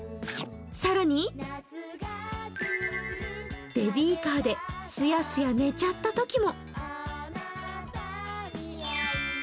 更に、ベビーカーですやすや寝ちゃったときも。